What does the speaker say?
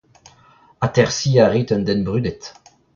Atersiñ a rit un den brudet.